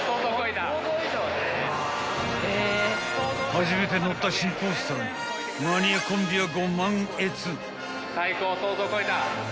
［初めて乗った新コースターにマニアコンビは］